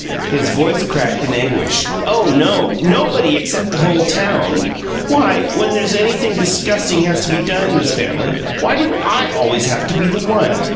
His voice cracked in anguish. "Oh no! Nobody except the whole town! WHY, when there's anything disgusting has to be done in this family why do I always have to be the one?